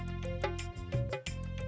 mas rangga mau bantu